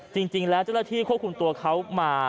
จริงแล้วเจ้าหน้าที่ควบคุมตัวเขามา